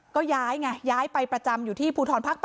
ก็ย้ายไงย้ายไปประจำอยู่ที่ภูทรภาค๘